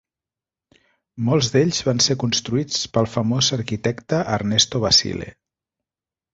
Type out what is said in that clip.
Molts d'ells van ser construïts pel famós arquitecte Ernesto Basile.